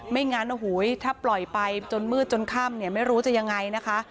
ไม่งั้นถ้าปล่อยไปจนมืดจนค่ำไม่รู้จะยังไงนะคะ